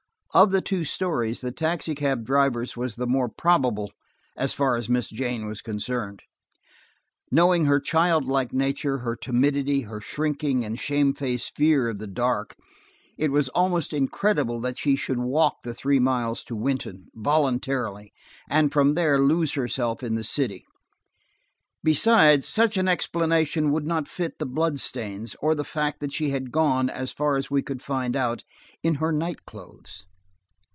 Of the two stories, the taxicab driver's was the more probable, as far as Miss Jane was concerned. Knowing her child like nature, her timidity, her shrinking and shamefaced fear of the dark, it was almost incredible that she would walk the three miles to Wynton, voluntarily, and from there lose herself in the city. Besides, such an explanation would not fit the blood stains, or the fact that she had gone, as far as we could find out, in her night clothes.